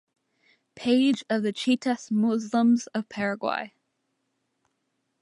Page of the Chiitas Muslims of Paraguay.